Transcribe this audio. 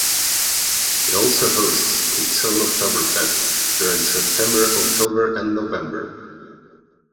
It also hosts its own Oktoberfest during September, October and November.